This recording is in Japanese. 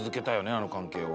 あの関係を。